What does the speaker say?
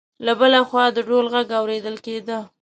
له بل خوا د ډول غږ اوریدل کېده.